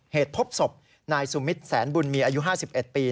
เหตุพบศพนายสุมิตรแสนบุญมีอายุ๕๑ปี